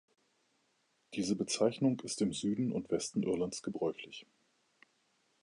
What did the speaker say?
Diese Bezeichnung ist im Süden und Westen Irlands gebräuchlich.